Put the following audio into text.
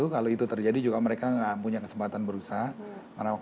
kalau itu terjadi mereka juga tidak punya kesempatan berusaha